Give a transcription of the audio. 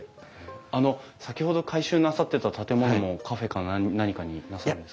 あの先ほど改修なさってた建物もカフェか何かになさるんですか？